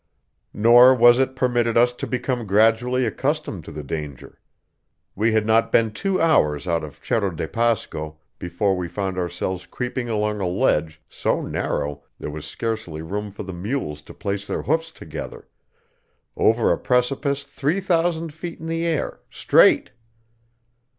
Nor was it permitted us to become gradually accustomed to the danger; we had not been two hours out of Cerro de Pasco before we found ourselves creeping along a ledge so narrow there was scarcely room for the mules to place their hoofs together, over a precipice three thousand feet in the air straight.